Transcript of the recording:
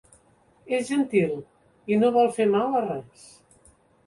És gentil i no vol fer mal a res.